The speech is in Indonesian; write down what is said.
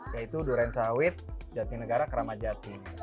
yaitu durensawit jatinegara keramajati